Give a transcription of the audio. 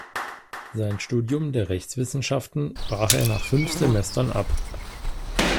Sein Studium der Rechtswissenschaften brach er nach fünf Semestern ab.